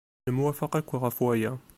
Nemwafaq akk ɣef waya.